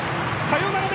サヨナラ！